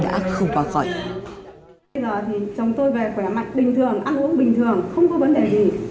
bây giờ thì chồng tôi về khỏe mạnh bình thường ăn uống bình thường không có vấn đề gì